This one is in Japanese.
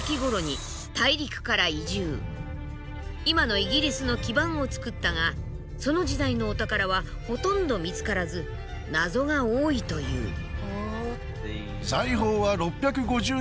今のイギリスの基盤を作ったがその時代のお宝はほとんど見つからず謎が多いという。